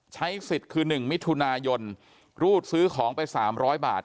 ใช้สิทธิ์คือหนึ่งมิถุนายนรูดซื้อของไปสามร้อยบาท